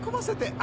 ・あ！